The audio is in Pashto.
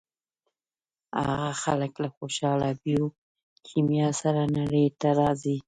هغه خلک له خوشاله بیوکیمیا سره نړۍ ته راځي.